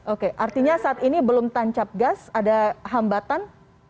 oke artinya saat ini belum tancap gas ada hambatan